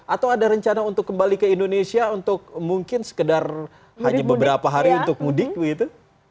atau ada rencana untuk kembali ke indonesia untuk mungkin sekedar hanya beberapa hari untuk mudik begitu